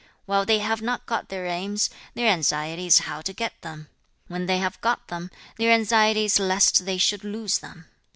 2. 'While they have not got their aims, their anxiety is how to get them. When they have got them, their anxiety is lest they should lose them.